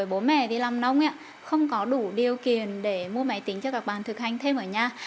bố mẹ đi làm nông không có đủ điều kiện để mua máy tính cho các bạn thực hành thêm ở nhà